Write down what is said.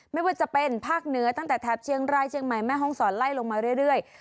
ไม่ว่าจะเป็นภาคเหนือตั้งแต่แถบเชียงรายเชียงใหม่แม่ห้องศรไล่ลงมาเรื่อย